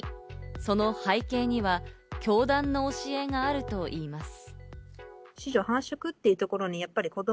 その背景には、教団の教えがあるといいます。